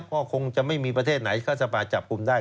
ก็คงจะไม่มีประเทศไหนก็สมัยจับคุมได้